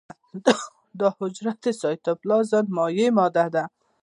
د حجرې سایتوپلازم مایع ماده ده